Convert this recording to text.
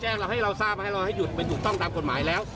แจ้งเราให้เราทราบให้เราให้หยุดต้องตามกฎหมายแล้ว